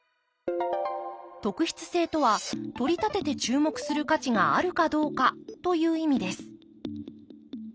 特筆性とはとりたてて注目する価値があるかどうかという意味です